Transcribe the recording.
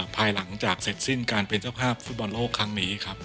ภายหลังจากเสร็จสิ้นการเป็นเจ้าภาพฟุตบอลโลกครั้งนี้ครับ